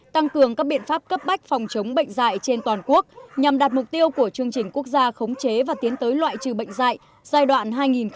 tăng cường các biện pháp cấp bách phòng chống bệnh dạy trên toàn quốc nhằm đạt mục tiêu của chương trình quốc gia khống chế và tiến tới loại trừ bệnh dạy giai đoạn hai nghìn một mươi năm hai nghìn hai mươi